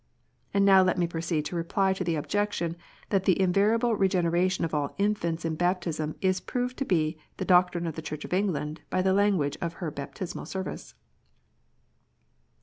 And now let me proceed to reply to the objection that the invariable Regeneration of all infants in baptism is proved to be the doctrine of the Church of England by the language of her Baptismal Service.